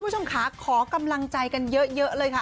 คุณผู้ชมค่ะขอกำลังใจกันเยอะเลยค่ะ